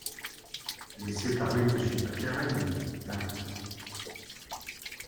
Laissez parler Monsieur Pacarel, Marthe .